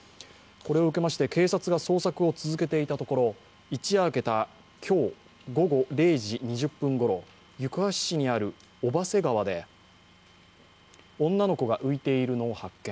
これを受けまして警察が捜索を続けていたところ、一夜明けた今日午後０時２０分ごろ、行橋市にある小波瀬川で女の子が浮いているのを発見